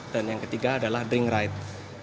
dan yang ketiga adalah drink right